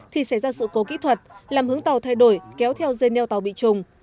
thì xảy ra sự cố kỹ thuật làm hướng tàu thay đổi kéo theo dây neo tàu bị trùng